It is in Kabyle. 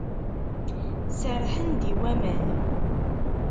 Serrḥen-d i waman.